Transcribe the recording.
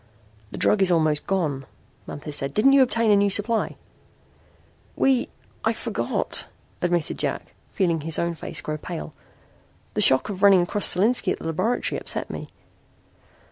"The drug is almost gone," Manthis said. "Didn't you obtain a new supply?" "We I forgot it," admitted Jack, feeling his own face grow pale. "The shock of running across Solinski at the laboratory upset me."